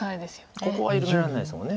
ここは緩められないですもんね。